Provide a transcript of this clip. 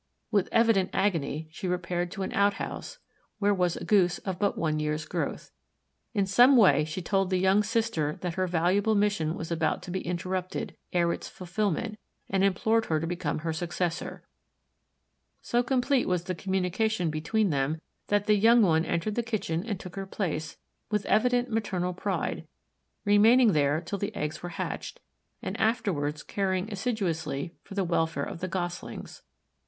With evident agony she repaired to an outhouse where was a Goose of but one year's growth. In some way she told the young sister that her valuable mission was about to be interrupted ere its fulfillment and implored her to become her successor. So complete was the communication between them that the young one entered the kitchen and took her place, with evident maternal pride, remaining there till the eggs were hatched and afterwards caring assiduously for the welfare of the Goslings.